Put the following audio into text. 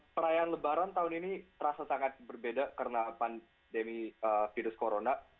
perayaan lebaran tahun ini terasa sangat berbeda karena pandemi virus corona